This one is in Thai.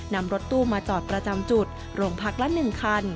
นำรถตู้มาจอดประจำจุดโรงพักละ๑คัน